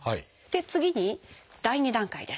次に第２段階です。